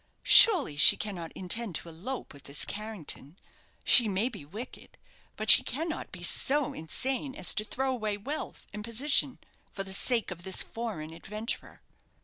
"Surely she cannot intend to elope with this Carrington. She may be wicked; but she cannot be so insane as to throw away wealth and position for the sake of this foreign adventurer."